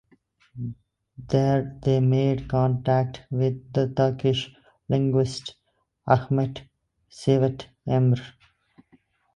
There they made contact with the Turkish linguist Ahmet Cevat Emre.